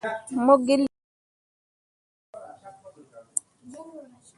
Mo gi lii tǝsal soo.